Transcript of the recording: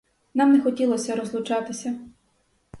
Нам не хотілося розлучатися.